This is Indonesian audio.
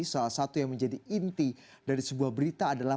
salah satu yang menjadi inti dari sebuah berita adalah